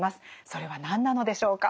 それは何なのでしょうか。